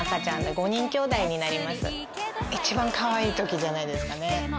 一番カワイイときじゃないですかね。